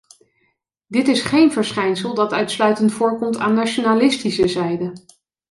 Dit is geen verschijnsel dat uitsluitend voorkomt aan nationalistische zijde.